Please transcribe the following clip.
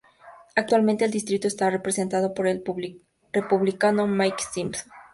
Actualmente el distrito está representado por el Republicano Mike Simpson.